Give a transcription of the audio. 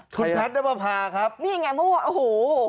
คุณแพทย์น้ำประพาครับนี่ยังไงพวกโอ้โห